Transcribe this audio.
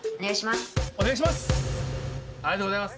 お願いします。